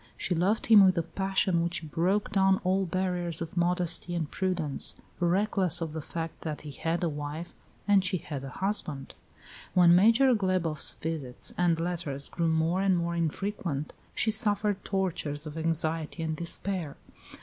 She loved him with a passion which broke down all barriers of modesty and prudence, reckless of the fact that he had a wife, as she had a husband. When Major Glebof's visits and letters grew more and more infrequent, she suffered tortures of anxiety and despair.